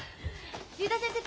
竜太先生